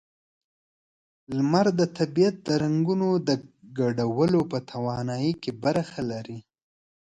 لمر د طبیعت د رنگونو د ګډولو په توانایۍ کې برخه لري.